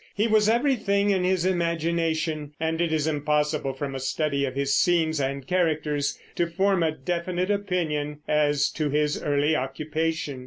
He was everything, in his imagination, and it is impossible from a study of his scenes and characters to form a definite opinion as to his early occupation.